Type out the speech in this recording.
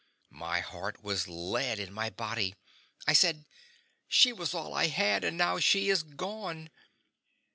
My heart was lead in my body! I said, "She was all I had, and now she is gone!"